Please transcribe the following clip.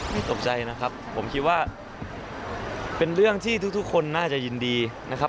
นี่ตกใจนะครับผมคิดว่าเป็นเรื่องที่ทุกคนน่าจะยินดีนะครับ